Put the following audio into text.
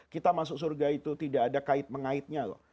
kita masuk surga itu tidak ada kait mengaitnya loh